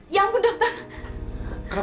ya ampun dokter